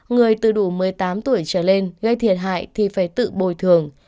người từ đủ một mươi tám tuổi trở lên gây thiệt hại thì phải tự bồi thường